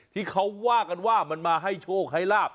ที่เขาว่ากันว่ามันมาให้โชคให้ลาบ